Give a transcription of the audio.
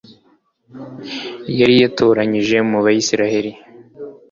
yari yatoranyije mu bayisraheli